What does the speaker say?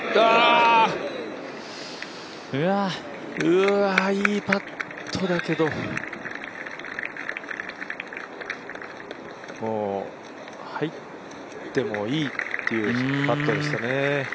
うわ、いいパットだけど入ってもいいというパットでしたね。